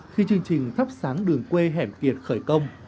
khi chương trình thắp sáng đường quê hẻm kiệt khởi công